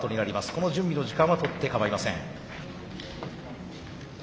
この準備の時間はとってかまいません。